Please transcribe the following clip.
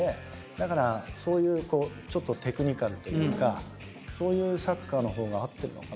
だからそういうちょっとテクニカルというかそういうサッカーのほうが合ってるのかなと。